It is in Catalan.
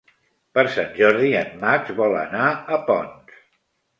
Per Sant Jordi en Max vol anar a Ponts.